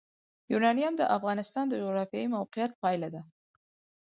یورانیم د افغانستان د جغرافیایي موقیعت پایله ده.